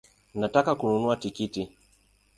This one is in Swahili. Nataka kununua tikiti